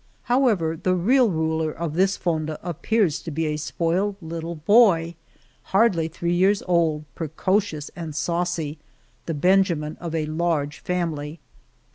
However, the real ruler of this fon da appears to be a spoiled little boy, hardly three years old, precocious and saucy — the Benjamin of the large family.